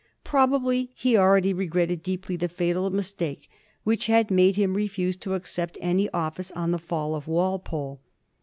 Probably he already regretted deeply the fatal mistake which had made him refuse to accept any office on the fall of Walpole.